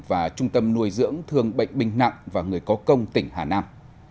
và trung tâm nuôi dưỡng thương bệnh binh nặng và người có công tỉnh hà nam